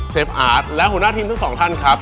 อาร์ตและหัวหน้าทีมทั้งสองท่านครับ